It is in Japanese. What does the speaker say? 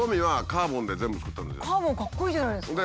カーボンかっこいいじゃないですか。